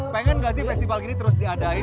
pengen gak sih festival ini terus diadain